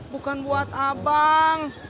bukan buat abang